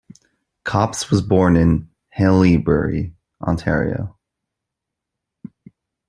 Copps was born in Haileybury, Ontario.